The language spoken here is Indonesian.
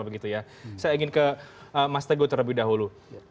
saya ingin ke mas teguh terlebih dahulu